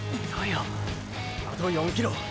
あと４キロ！！